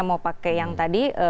mau pakai yang tadi